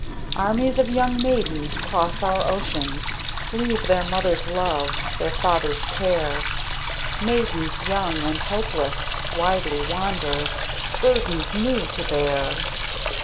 Armies of young maidens cross our oceans; Leave their mother's love, their father's care; Maidens, young and helpless, widely wander, Burdens new to bear.